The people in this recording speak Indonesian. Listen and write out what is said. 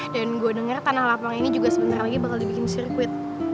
dan gue denger tanah lapangan ini juga sebentar lagi bakal dibikin sirkuit